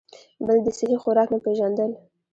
بل د سهي خوراک نۀ پېژندل ،